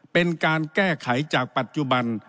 เป็นการแก้ไขจากปัจจุบัน